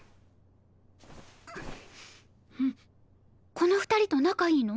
この２人と仲いいの？